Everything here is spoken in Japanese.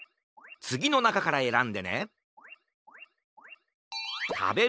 つぎのなかからえらんでね！